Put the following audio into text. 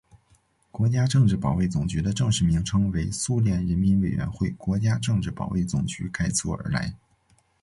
国家政治保卫总局的正式名称为苏联人民委员会国家政治保卫总局改组而来。